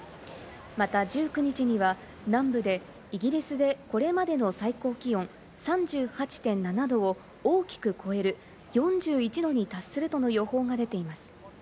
また１９日には南部でイギリスでこれまでの最高気温３８．７度を大きく超える、４１度に達するとの予報が出ています。